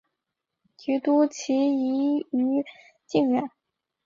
提督旗移于靖远。